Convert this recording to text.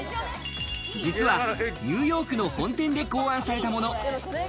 実はニューヨークの本店で考案されたもの。